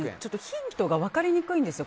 ヒントが分かりにくいんですよ。